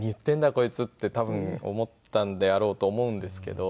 こいつって多分思ったんであろうと思うんですけど。